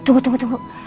tunggu tunggu tunggu